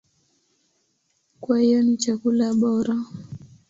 Kwa hiyo ni chakula bora.